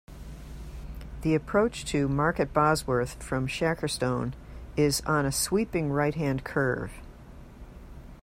The approach to Market Bosworth, from Shackerstone, is on a sweeping right-hand curve.